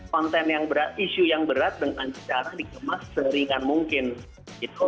konten yang berat isu yang berat dengan cara dikemas seringan mungkin gitu